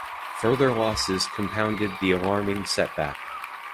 Further losses compounded the alarming setback.